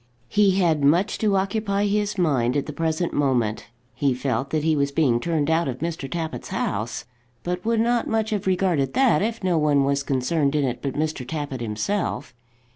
He had much to occupy his mind at the present moment. He felt that he was being turned out of Mr. Tappitt's house, but would not much have regarded that if no one was concerned in it but Mr. Tappitt himself.